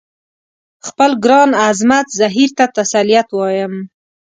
خپل ګران عصمت زهیر ته تسلیت وایم.